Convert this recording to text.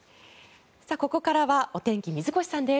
ここからはお天気、水越さんです。